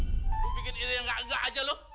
lo bikin ide yang gak enggak aja lo